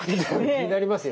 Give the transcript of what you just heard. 気になりますよね。